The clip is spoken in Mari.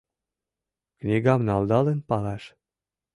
Книгам налдалын палаш